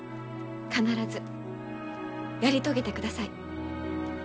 必ずやり遂げてください。